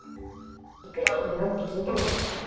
いくらいるの？って聞いたんですよ、私。